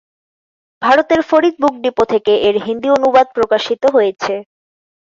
ভারতের Farid book depot থেকে এর হিন্দি অনুবাদ প্রকাশিত হয়েছে।